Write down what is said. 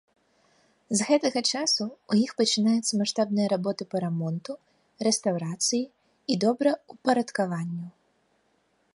З гэтага часу ў іх пачынаюцца маштабныя работы па рамонту, рэстаўрацыі і добраўпарадкаванню.